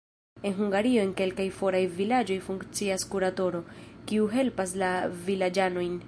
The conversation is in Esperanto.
En Hungario en kelkaj foraj vilaĝoj funkcias kuratoro, kiu helpas la vilaĝanojn.